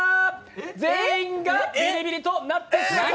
全員がビリビリとなってしまいます。